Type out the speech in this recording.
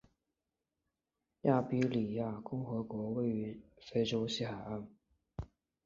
利比里亚共和国位于非洲西海岸。